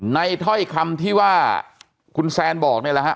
ถ้อยคำที่ว่าคุณแซนบอกนี่แหละฮะ